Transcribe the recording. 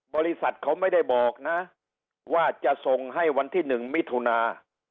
บริษัทเขาไม่ได้บอกนะว่าจะส่งให้วันที่๑มิถุนา